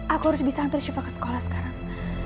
aku harus bisa hantar siva ke sekolah sekarang